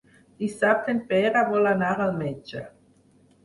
Dissabte en Pere vol anar al metge.